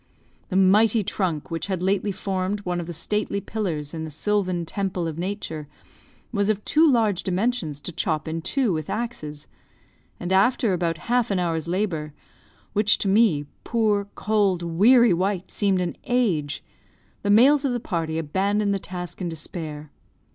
The mighty trunk which had lately formed one of the stately pillars in the sylvan temple of Nature, was of too large dimensions to chop in two with axes; and after about half an hour's labour, which to me, poor, cold, weary wight! seemed an age, the males of the party abandoned the task in despair.